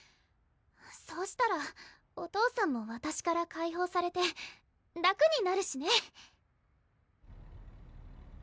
そうしたらお父さんもわたしから解放されて楽になるしね